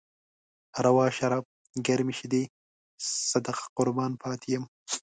روا شراب، ګرمې شيدې، صدقه قربان پاتې يم